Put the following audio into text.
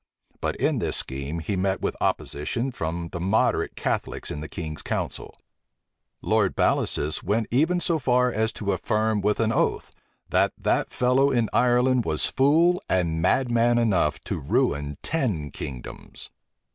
But in this scheme he met with opposition from the moderate Catholics in the king's council. Lord Bellasis went even so far as to affirm with an oath, "that that fellow in Ireland was fool and madman enough to ruin ten kingdoms."